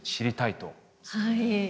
はい。